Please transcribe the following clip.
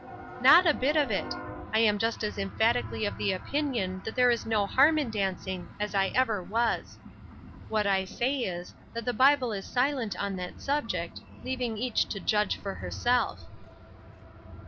"Not a bit of it. I am just as emphatically of the opinion that there is no harm in dancing as I ever was. What I say is, that the Bible is silent on that subject, leaving each to judge for herself."